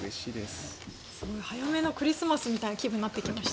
早めのクリスマスみたいな気分になってきました。